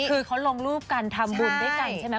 คือเขาลงรูปกันทำบุญด้วยกันใช่ไหม